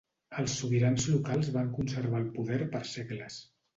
Els sobirans locals van conservar el poder per segles.